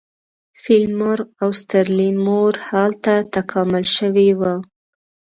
فیل مرغ او ستر لیمور هلته تکامل شوي وو.